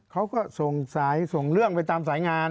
เขาก็ส่งสายส่งเรื่องไปตามสายงาน